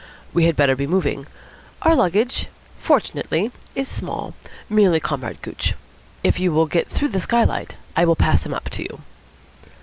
We had better be moving. Our luggage, fortunately, is small. Merely Comrade Gooch. If you will get through the skylight, I will pass him up to you."